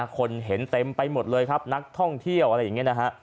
คนเห็นเต็มไปหมดเลยครับนักท่องเที่ยวอะไรอย่างนี้นะฮะ